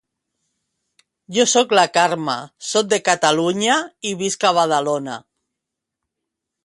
Jo soc la Carme, soc de Catalunya i visc a Badalona.